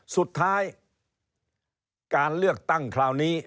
สุดท้ายการเลือกตั้งคราวนี้